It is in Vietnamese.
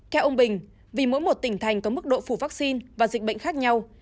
theo ông bình vì mỗi một tỉnh thành có mức độ phủ vaccine và dịch bệnh khác nhau